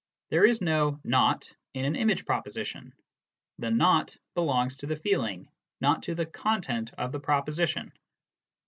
There is no " not " in an image proposition ; the "not" belongs to the feeling, not to the content of the proposition.